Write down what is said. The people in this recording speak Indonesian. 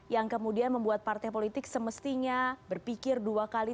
yang kemudian membuat partai politik semestinya berpikir dua kali